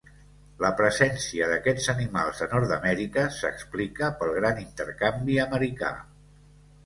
La presència d'aquests animals a Nord-amèrica s'explica pel gran intercanvi americà.